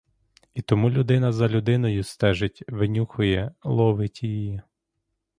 І тому людина за людиною стежить, винюхує, ловить її.